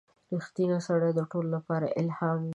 • رښتینی سړی د ټولو لپاره الهام وي.